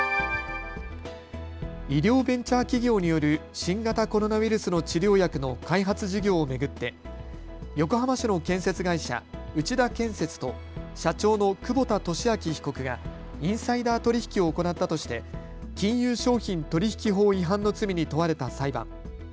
医療ベンチャー企業による新型コロナウイルスの治療薬の開発事業を巡って横浜市の建設会社、内田建設と社長の久保田俊明被告がインサイダー取引を行ったとして金融商品取引法違反の罪に問われた裁判。